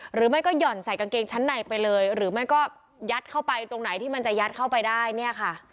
หรือไม่ก็ห่อนใส่กางเกงชั้นในไปเลยหรือไม่ก็ยัดเข้าไปตรงไหนที่มันจะยัดเข้าไปได้เนี่ยค่ะ